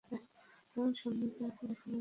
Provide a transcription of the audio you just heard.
তোমার সামনেটা দেখা লাগবে।